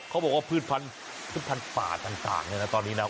เขาบอกว่าพืชพันธุ์ป่าต่างเนี่ยนะตอนนี้นะ